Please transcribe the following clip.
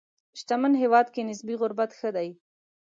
شتمن هېواد کې نسبي غربت ښه دی.